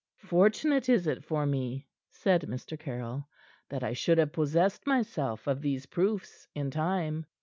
"Fortunate is it for me," said Mr. Caryll, "that I should have possessed myself of these proofs in time.